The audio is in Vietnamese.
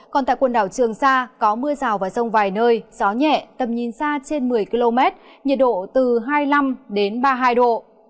còn tại quần đảo trường sa có mưa rào và rông vài nơi gió nhẹ tầm nhìn xa trên một mươi km nhiệt độ từ hai mươi năm đến ba mươi hai độ